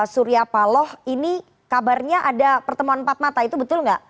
surya paloh ini kabarnya ada pertemuan empat mata itu betul nggak